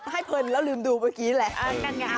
ให้เพลินแล้วลืมดูเมื่อกี้แหละ